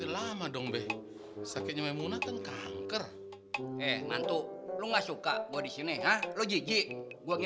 lama dong sakitnya memunakan kanker mantuk lu nggak suka gue disini